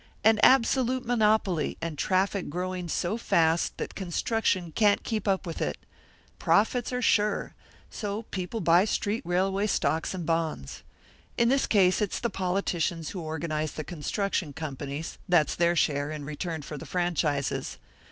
An absolute monopoly, and traffic growing so fast that construction can't keep up with it. Profits are sure. So people buy street railway stocks and bonds. In this case it's the politicians who organise the construction companies; that's their share, in return for the franchises.